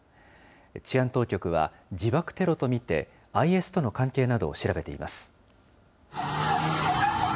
治安当局は、自爆テロと見てＩＳとの関係などを調べています。